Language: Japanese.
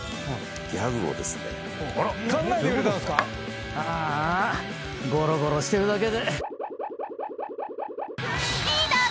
考えてくれたんすか⁉あーあごろごろしてるだけで。